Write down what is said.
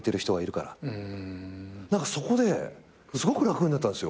何かそこですごく楽になったんですよ。